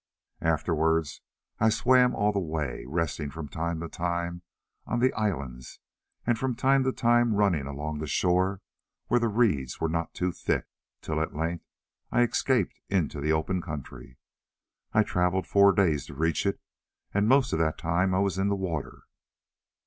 Afterwards I swam all the way, resting from time to time on the islands and from time to time running along the shore where the reeds were not too thick, till at length I escaped into the open country. I travelled four days to reach it, and most of that time I was in the water."